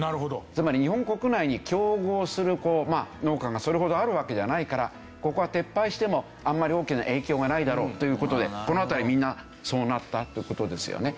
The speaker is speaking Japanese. つまり日本国内に競合する農家がそれほどあるわけじゃないからここは撤廃してもあんまり大きな影響がないだろうという事でこの辺りみんなそうなったという事ですよね。